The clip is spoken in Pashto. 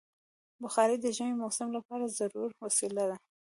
بخاري د ژمي موسم لپاره ضروري وسیله ده.